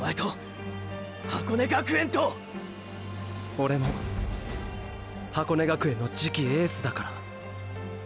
オレも箱根学園の次期エースだから。